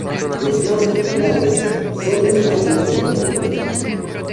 Los más populares son los bailes de los bomberos.